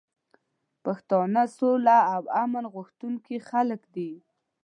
پښتانه سوله او امن غوښتونکي خلک دي.